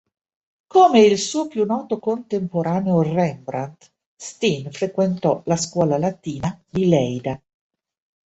Come il suo più noto contemporaneo Rembrandt, Steen frequentò la scuola latina di Leida.